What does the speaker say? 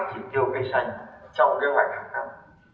chỉ tiêu cây xanh trong kế hoạch hàng năm